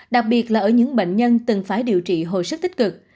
đặc biệt là ở những bệnh nhân từng phải điều trị hồi sức tích cực